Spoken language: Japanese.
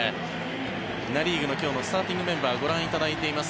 ナ・リーグの今日のスターティングメンバーご覧いただいています。